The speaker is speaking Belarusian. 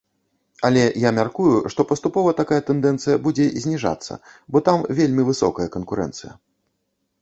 Але, я мяркую, што паступова такая тэндэнцыя будзе зніжацца, бо там вельмі высокая канкурэнцыя.